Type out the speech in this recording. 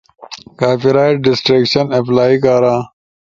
کاپی رائٹ ریسٹریکشن اپلائی کارا۔